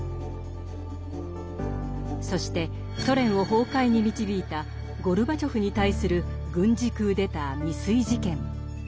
そしてソ連を崩壊に導いたゴルバチョフに対する軍事クーデター未遂事件。